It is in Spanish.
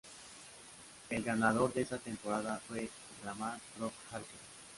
El ganador de esta temporada fue Rahman "Rock" Harper.